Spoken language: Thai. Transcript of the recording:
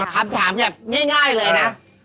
คำถามง่ายเลยนะ